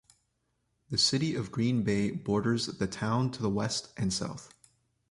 The city of Green Bay borders the town to the west and south.